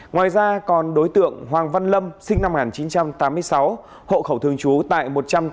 ngoài ra còn đối tượng hoàng văn lâm sinh năm một nghìn chín trăm tám mươi sáu hộ khẩu thường trú tại một trăm tám mươi